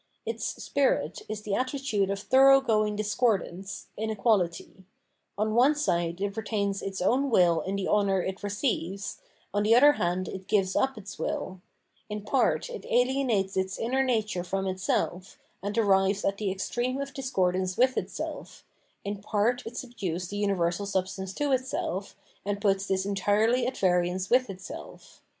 Its spirit is the attitude of thoroughgoing discordance (iuequahty) : Culture and its Sphere of Reality 519 on one side it retains its own will in tlie honour it receives, on the other hand it gives up its will : in part it alienates its inner nature from itself, and arrives at the extreme of discordance with itself, in part it subdues the universal substance to itself, and puts this entirely at variance with itself.